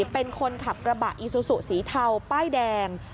เป็นคนขับกระบะอีซูซูสีเทาป้ายแดง